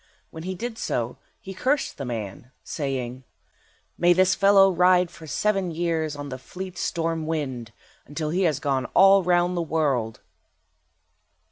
While he did so he cursed the man, saying— "May this fellow ride for seven years on the fleet storm wind, until he has gone all round the world."